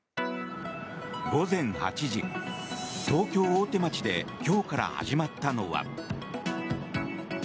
午前８時、東京・大手町で今日から始まったのは。